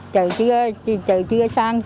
trừ chia sang